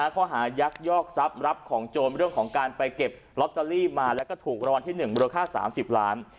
ข้อหายักยอกทรัพย์รับของโจรเรื่องของการไปเก็บลอตเตอรี่มาแล้วก็ถูกรางวัลที่๑มูลค่า๓๐ล้าน